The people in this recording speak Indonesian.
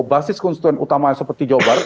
basis konstituen utama seperti jawa barat